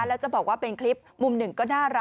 แล้วจะบอกว่าเป็นคลิปมุมหนึ่งก็น่ารัก